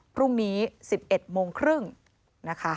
พรุ่งนี้๑๑โมงครึ่งนะคะ